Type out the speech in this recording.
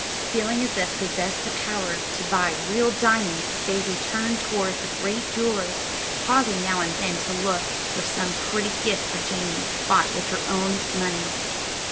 Feeling as if she possessed the power to buy real diamonds, Daisy turned toward the great jewellers, pausing now and then to look for some pretty gift for Janey, bought with her own money.